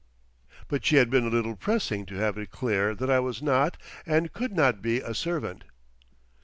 _" But she had been a little pressing to have it clear that I was not and could not be a servant.